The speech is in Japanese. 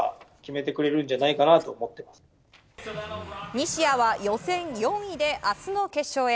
西矢は予選４位で明日の決勝へ。